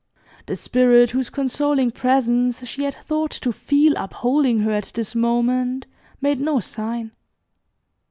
The spirit whose consoling presence she had thought to feel upholding her at this moment made no sign.